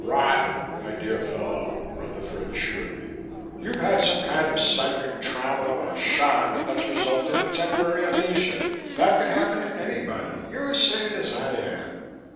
"Rot, my dear fellow!" Rutherford assured me. "You've had some kind of psychic trauma or shock that's resulted in temporary amnesia. That could happen to anybody. You're as sane as I am."